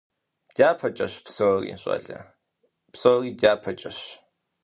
ДяпэкӀэщ псори, щӀалэ. Псори дяпэкӀэщ.